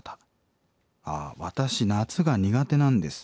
あ「私夏が苦手なんです。